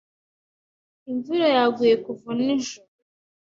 Imvura yaguye kuva nijoro.